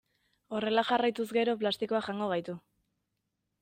Horrela jarraituz gero plastikoak jango gaitu.